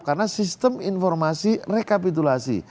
karena sistem informasi rekapitulasi